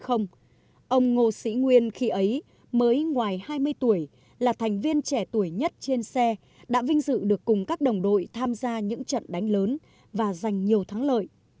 ông ngô sĩ nguyên khi ấy mới ngoài hai mươi tuổi là thành viên trẻ tuổi nhất trên xe đã vinh dự được cùng các đồng đội tham gia những trận đánh lớn và giành nhiều thắng lợi